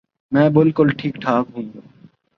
میں بالکل ٹھیک ٹھاک ہوں